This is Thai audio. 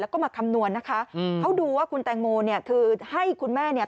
แล้วก็มาคำนวณนะคะอืมเขาดูว่าคุณแตงโมเนี่ยคือให้คุณแม่เนี่ย